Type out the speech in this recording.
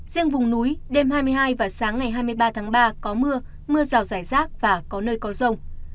riêng vùng núi đêm hai mươi hai và sáng ngày hai mươi ba tháng ba có mưa mưa rào rải rác và có nơi có rông